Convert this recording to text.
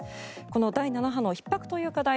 この第７波のひっ迫という課題